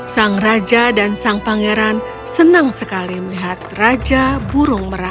sang raja dan sang pangeran senang sekali melihat raja burung merah